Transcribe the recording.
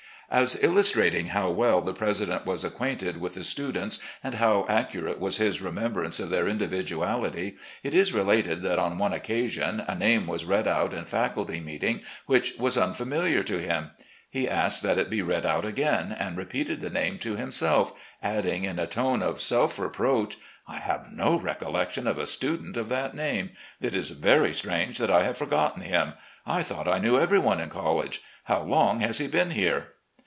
As illustrating how well the president was acquainted with the students, and how accurate was his remembrance of their individuality, it is related that on one occasion a name was read out in faculty meeting which was un familiar to him. He asked that it be read out again, and repeated the name to himself, adding in a tone of self reproach : "I have no recollection of a student of that name. It is very strange that I have forgotten him. I thought I knew every one in college. How long has he been here?"